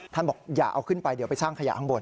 บอกอย่าเอาขึ้นไปเดี๋ยวไปสร้างขยะข้างบน